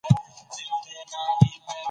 الحاد تړلو او اتصال ته وايي.